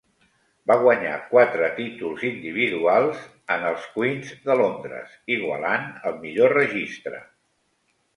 Va guanyar quatre títols individuals en el Queens de Londres, igualant el millor registre.